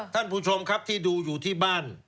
ท่านผู้ชมครับที่ดูอยู่ที่บ้าน